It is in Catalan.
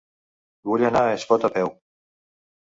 Vull anar a Espot a peu.